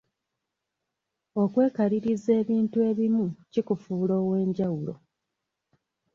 Okwekaliriza ebintu ebimu kikufuula ow'enjawulo.